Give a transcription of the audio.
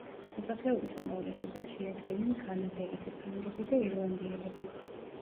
მოსახლეობის უმრავლესობას შეადგენენ კანადელები, ფრანგები და ირლანდიელები.